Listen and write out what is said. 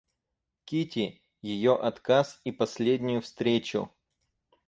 Кити, ее отказ и последнюю встречу.